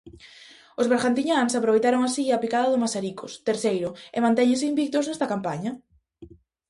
Os bergantiñáns aproveitaron así a picada do Mazaricos, terceiro, e mantéñense invictos nesta campaña.